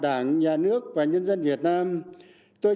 đảng nhà nước và nhân dân việt nam tôi